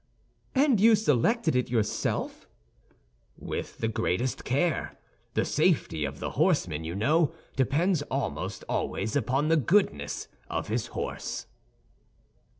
"And you selected it yourself?" "With the greatest care. The safety of the horseman, you know, depends almost always upon the goodness of his horse."